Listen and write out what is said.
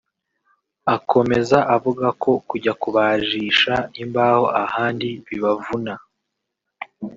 Akomeza avuga ko kujya kubajisha imbaho ahandi bibavuna